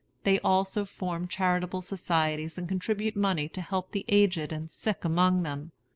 They also form charitable societies and contribute money to help the aged and sick among them.